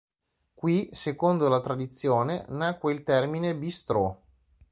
Qui, secondo la tradizione, nacque il termine "bistrot".